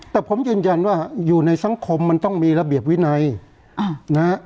แต่ผมยืนยันว่าอยู่ในสังคมมันต้องมีระเบียบวินัยนะฮะ